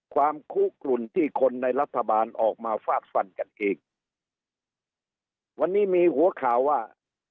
ความคุกกลุ่นที่คนในรัฐบาลออกมาฟาดฟันกันเองวันนี้มีหัวข่าวว่า